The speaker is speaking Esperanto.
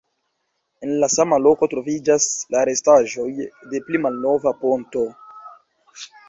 En la sama loko troviĝas la restaĵoj de pli malnova ponto.